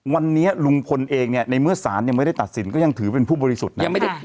วันนี้ลุงพลเองเนี่ยในเมื่อสารยังไม่ได้ตัดสินก็ยังถือเป็นผู้บริสุทธิ์นะ